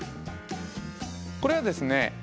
これはですね